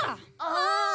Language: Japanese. ああ。